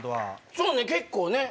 そうね結構ね。